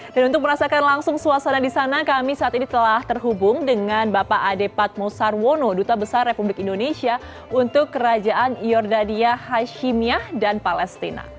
dan untuk merasakan langsung suasana di sana kami saat ini telah terhubung dengan bapak ade patmosarwono duta besar republik indonesia untuk kerajaan yordania hashimiyah dan palestina